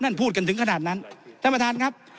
พูดกันถึงขนาดนั้นท่านประธานครับ